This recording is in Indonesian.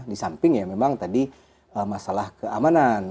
di samping ya memang tadi masalah keamanan